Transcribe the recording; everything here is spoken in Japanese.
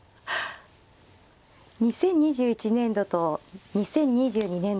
２０２１年度と２０２２年度に。